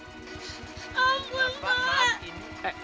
jangan benda ini